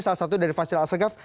salah satu dari facial asegaf